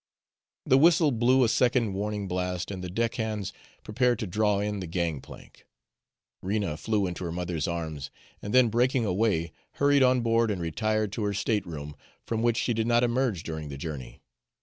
The whistle blew a second warning blast, and the deck hands prepared to draw in the gang plank. Rena flew into her mother's arms, and then, breaking away, hurried on board and retired to her state room, from which she did not emerge during the journey.